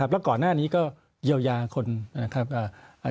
แล้วก่อนหน้านี้ก็เยาแยรพรรณคน